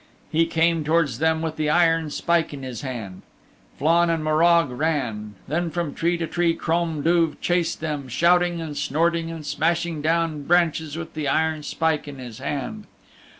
He came towards them with the iron spike in his hand. Flann and Morag ran. Then from tree to tree Crom Duv chased them, shouting and snorting and smashing down branches with the iron spike in his hand.